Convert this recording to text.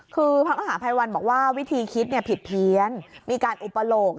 คือพระมหาภัยวันบอกว่าวิธีคิดผิดเพี้ยนมีการอุปโลก